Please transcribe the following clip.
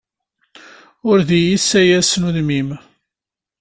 Ur d iyi-ssayasen udem-im.